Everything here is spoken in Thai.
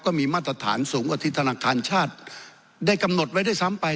ก็มีมาตรฐานสูงอธิษฐานาคารชาติได้กำหนดไว้ได้ซ้ำไป